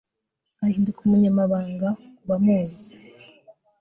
Ahinduka umunyamahanga kubamuzi